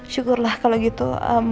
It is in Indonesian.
syukurlah kalau gitu